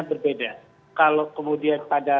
berbeda kalau kemudian pada